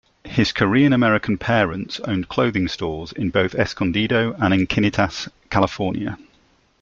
His Korean American parents owned clothing stores in both Escondido and Encinitas, California.